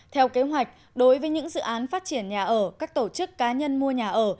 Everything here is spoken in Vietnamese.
theo kế hoạch đối với những dự án phát triển nhà ở các tổ chức cá nhân mua nhà ở